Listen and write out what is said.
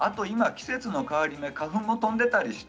季節の変わり目花粉も飛んでいます。